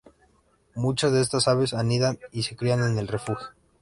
Muchas de estas aves anidan y se crían en el refugio.